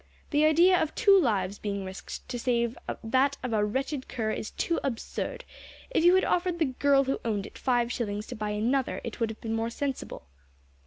The idea of two lives being risked to save that of a wretched cur is too absurd; if you had offered the girl who owned it five shillings to buy another it would have been more sensible."